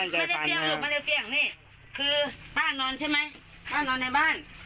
ไม่ได้เฟี่ยงนี่คือป้านอนใช่ไหมป้านอนในบ้าน